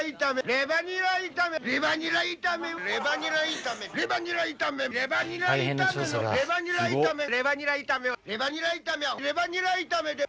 レバニラ炒めで。